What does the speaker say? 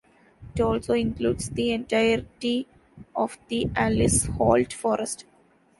It also includes the entirety of the Alice Holt Forest.